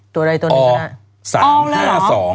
ตัวไหนตัวนี้คะ